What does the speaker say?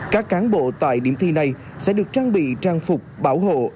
các cán bộ tại điểm thi này sẽ được trang bị trang phục bảo hộ